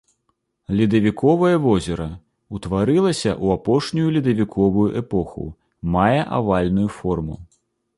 Ледавіковае возера, утварылася ў апошнюю ледавіковую эпоху, мае авальную форму.